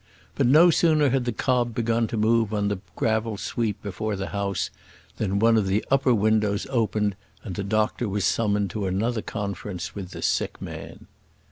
But no sooner had the cob begun to move on the gravel sweep before the house, than one of the upper windows opened, and the doctor was summoned to another conference with the sick man.